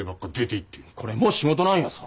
これも仕事なんやさ。